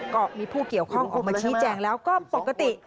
ก็มีผู้เกี่ยวข้องออกมาชี้แจงแล้วก็ปกติ